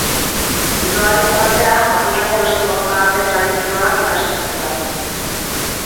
Judoarekin batera, Japoniako beste borroka-arte tradizionalak ikasi zituen.